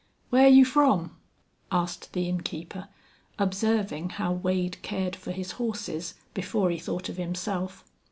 "Whar you from?" asked the innkeeper, observing how Wade cared for his horses before he thought of himself.